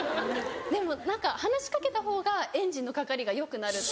でも何か話し掛けたほうがエンジンのかかりがよくなる。